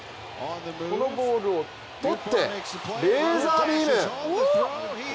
このボールをとって、レーザービーム！